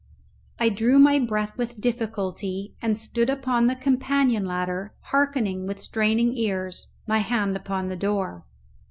I drew my breath with difficulty, and stood upon the companion ladder hearkening with straining ears, my hand upon the door.